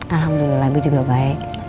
alhamdulillah gue juga baik